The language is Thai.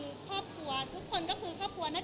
มีอะไรก็ต้องคุยกันตรงเรื่องที่ผ่านมาก็จบแค่นี้